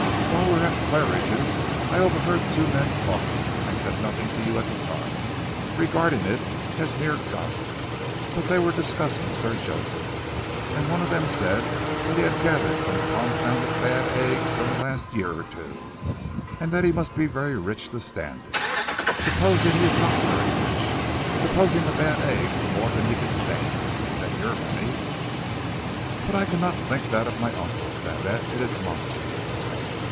Whilst we were at Claridge's I overheard two men talking. I said nothing to you at the time, regarding it as mere gossip, but they were discussing Sir Joseph, and one of them said that he had gathered some confounded bad eggs during the last year or two, and that he must be very rich to stand it. Supposing he is not very rich. Supposing the bad eggs are more than he can stand. Then your money " "But I cannot think that of my uncle, Babette; it is monstrous."